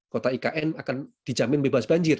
kota ikn akan dijamin bebas banjir